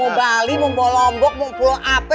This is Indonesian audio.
mau bali mau bawa lombok mau pulang apa